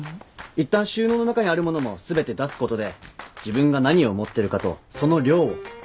いったん収納の中にある物も全て出すことで自分が何を持ってるかとその量を実感できるんで。